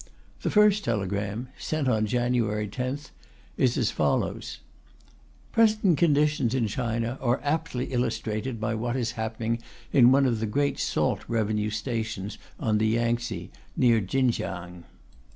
The first telegram (sent on January 10th) is as follows: Present conditions in China are aptly illustrated by what is happening in one of the great salt revenue stations on the Yangtsze, near Chinkiang.